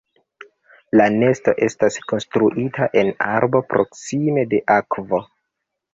La nesto estas konstruita en arbo proksime de akvo.